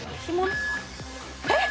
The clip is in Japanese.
えっ！？